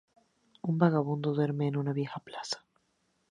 Un vagabundo duerme en una vieja plaza.